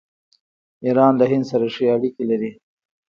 ایران له هند سره ښه اړیکې لري.